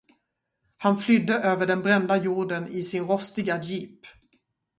Han flydde över den brända jorden i sin rostiga jeep.